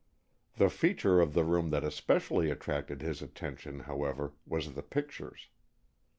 The feature of the room that especially attracted his attention, however, was the pictures.